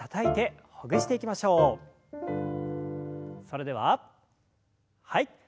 それでははい。